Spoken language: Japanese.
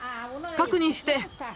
確認して。